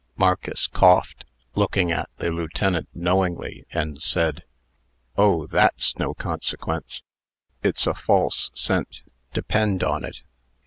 Marcus coughed, looked at the lieutenant knowingly, and said, "Oh, that's no consequence. It's a false scent. Depend on it."